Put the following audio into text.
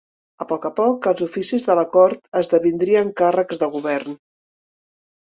A poc a poc els oficis de la cort esdevindrien càrrecs de govern.